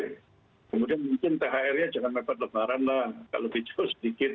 kemudian mungkin thr nya jangan lewat lebaran lah kalau hijau sedikit